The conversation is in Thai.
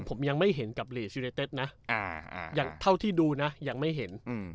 ผมผมยังไม่เห็นกับอ่าอย่างเท่าที่ดูน่ะยังไม่เห็นอืม